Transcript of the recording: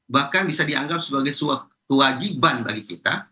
bahkan bisa dianggap sebagai suatu kewajiban bagi kita